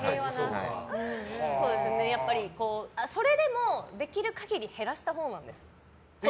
やっぱり、それでもできる限り減らしたほうなんです。